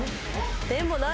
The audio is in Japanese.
でもない。